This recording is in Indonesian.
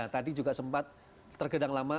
tadi juga sempat tergedang lama